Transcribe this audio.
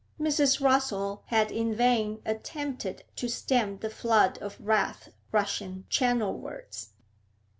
Mrs. Rossall had in vain attempted to stem the flood of wrath rushing Channelwards.